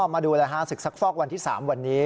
มาดูสักฟอกวันที่๓วันนี้